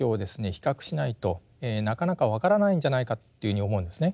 比較しないとなかなか分からないんじゃないかというふうに思うんですね。